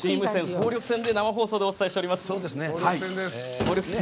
総力戦で生放送でお送りしています。